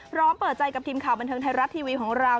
เปิดใจกับทีมข่าวบันเทิงไทยรัฐทีวีของเรา